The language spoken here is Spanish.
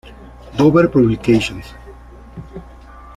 Dover Publications.